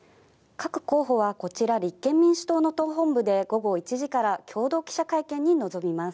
各候補はこちら立憲民主党の党本部で午後１時から共同記者会見に臨みます。